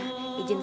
ijin salat sebentar